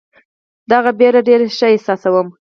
دغه وېره ډېر ښه احساسوم.